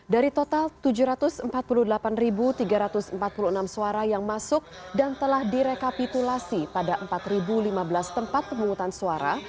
dari total tujuh ratus empat puluh delapan tiga ratus empat puluh enam suara yang masuk dan telah direkapitulasi pada empat lima belas tempat pemungutan suara